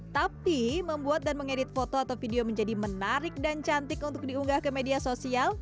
tapi membuat dan mengedit foto atau video menjadi menarik dan cantik untuk diunggah ke media sosial